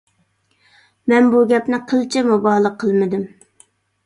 مەن بۇ گەپنى قىلچە مۇبالىغە قىلمىدىم.